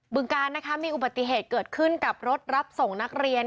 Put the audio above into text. ึงการนะคะมีอุบัติเหตุเกิดขึ้นกับรถรับส่งนักเรียน